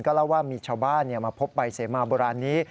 เล่าว่ามีชาวบ้านมาพบใบเสมาโบราณนี้